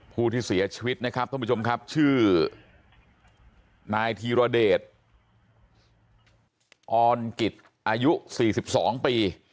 ผู้ที่เสียชีวิตนะครับท่านผู้ชมครับชื่อนายธีรเดชออนกิจอายุ๔๒ปี